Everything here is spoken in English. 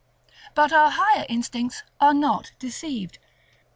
But our higher instincts are not deceived.